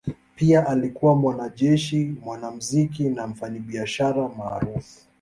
Pia alikuwa mwanajeshi, mwanamuziki na mfanyabiashara maarufu.